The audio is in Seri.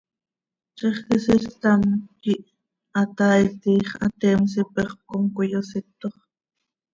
Zixquisiil ctam quih hataai, tiix hateems ipexöp com cöiyositox.